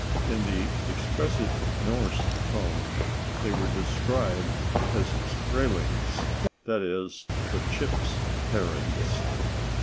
In the expressive Norse tongue they were described as "Skraelings"—that is, the "chips, parings."